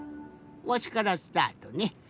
わしからスタートね。